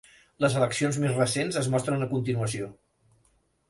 Les eleccions més recents es mostren a continuació.